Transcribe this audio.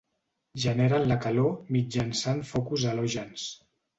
Generen la calor mitjançant focus halògens.